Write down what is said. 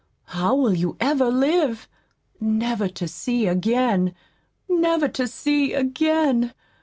How will you ever live? Never to see again, never to see again!